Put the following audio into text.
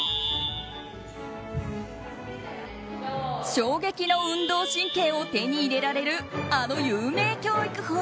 衝撃の運動神経を手に入れられるあの有名教育法。